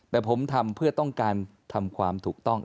แต่ผมทำเพื่อต้องการทำความถูกต้อง